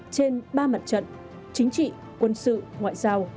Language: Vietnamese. trên ba mặt trận chính trị quân sự ngoại giao